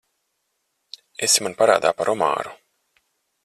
Esi man parādā par omāru.